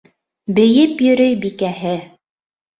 Бейеп йөрөй Бикәһе